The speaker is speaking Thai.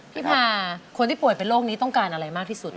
พี่พาคนที่ป่วยเป็นโรคนี้ต้องการอะไรมากที่สุด